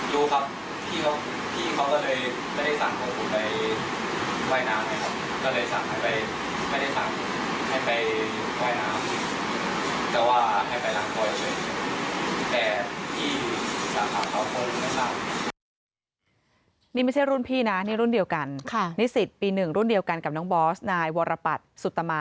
รู้ครับพี่เขาก็เลยไม่ได้สั่งผมไปว่ายน้ำเลยครับ